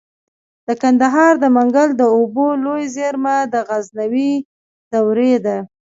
د کندهار د منگل د اوبو لوی زیرمه د غزنوي دورې ده